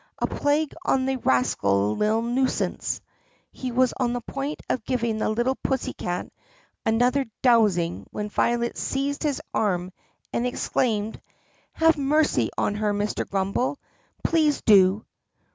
A plague on the ras cally little nuisance!" He was on the point of giving the little pussycat another dousing when Violet seized his arm and exclaimed: "Have mercy on her, Mr. Grummbel! Please do!"